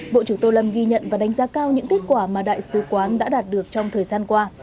bộ trưởng tô lâm ghi nhận và đánh giá cao những kết quả mà đại sứ quán đã đạt được trong thời gian qua